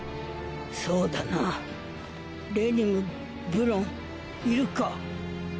そうだなレニムブロンいるか？